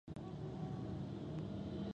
باسواده میندې د کور لګښتونه کنټرولوي.